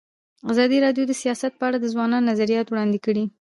ازادي راډیو د سیاست په اړه د ځوانانو نظریات وړاندې کړي.